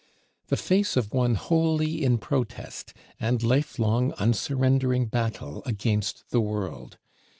The face of one wholly in protest, and lifelong, unsurrendering battle, against the world.